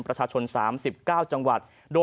ประชาชน๓๙จังหวัด